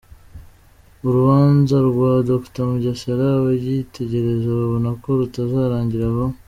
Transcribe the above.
Urubanza rwa Dr Mugesera ababyitegereza babona ko rutazarangira vuba.